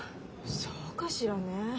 そうかしらね。